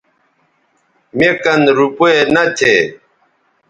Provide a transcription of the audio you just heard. مے کن روپے نہ تھے